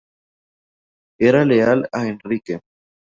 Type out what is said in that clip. Era leal a Enrique.